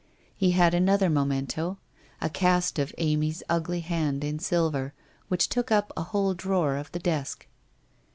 He had another memento, a cast of Amy's ugly hand in silver, which took up a whole drawer of the desk.